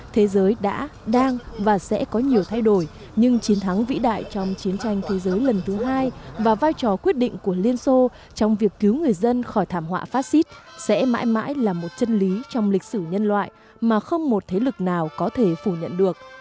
thế giới đã đang và sẽ có nhiều thay đổi nhưng chiến thắng vĩ đại trong chiến tranh thế giới lần thứ hai và vai trò quyết định của liên xô trong việc cứu người dân khỏi thảm họa phát xít sẽ mãi mãi là một chân lý trong lịch sử nhân loại mà không một thế lực nào có thể phủ nhận được